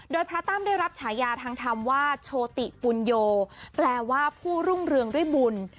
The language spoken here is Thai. โดยพระตั้มได้รับฉายาทางธรรมว่าโชติปุญโยแปลว่าผู้รุ่งเรืองด้วยบุญ